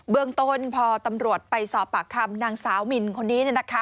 เมืองต้นพอตำรวจไปสอบปากคำนางสาวมินคนนี้